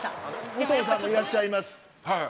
武藤さんもいらっしゃいます。